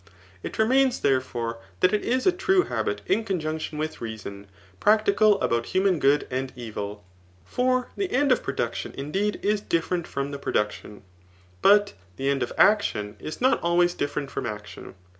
It remains, therefore, that it is a true hal^t Digitized by Google 218 THE NIOOtMACHfiAN BOOK VU in conjunction with reason, practical about human good and evil. For the end of production indeed is different from the producticm, but the end of action is not always different from action.